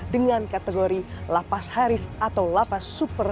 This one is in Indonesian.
dengan kategori lapas haris atau lapas super maximum security